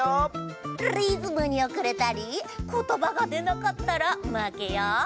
リズムにおくれたりことばがでなかったらまけよ。